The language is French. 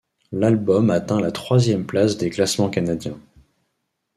L'album atteint la troisième place des classements canadiens.